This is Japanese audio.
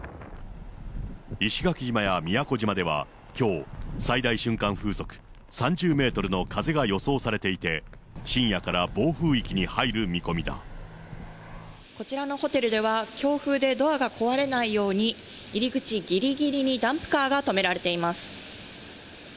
石垣島や宮古島ではきょう、最大瞬間風速３０メートルの風が予想されていて、こちらのホテルでは、強風でドアが壊れないように、入り口ぎりぎりにダンプカーが止められています。